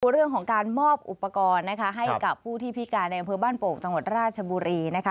เรื่องของการมอบอุปกรณ์นะคะให้กับผู้ที่พิการในอำเภอบ้านโป่งจังหวัดราชบุรีนะคะ